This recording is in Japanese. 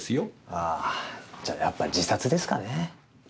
あぁじゃやっぱ自殺ですかね？